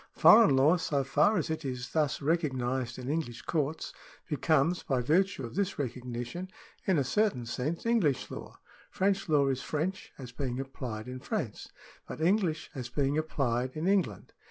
Foreign law, so far as it is thus recognised in English courts, becomes, by virtue of this recognition, in a certain sense English law. French law is French as being applied in France, but English as being applied in England.